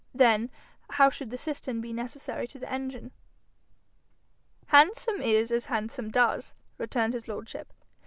Then how should the cistern be necessary to the engine?' 'Handsome is that handsome does,' returned his lordship.